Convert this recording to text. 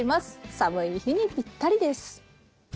寒い日にぴったりです。